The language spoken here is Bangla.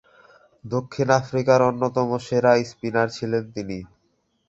দক্ষিণ আফ্রিকার অন্যতম সেরা স্পিনার ছিলেন তিনি।